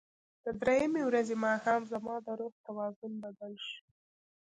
د درېیمې ورځې ماښام زما د روح توازن بدل شو.